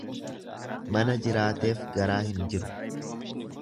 Mana jiraateef garaa hin jiru.